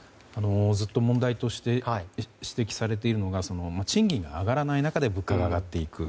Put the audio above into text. ずっと問題として指摘されているのが賃金が上がらない中で物価が上がっていく。